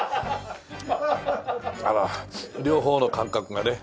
あら両方の感覚がね。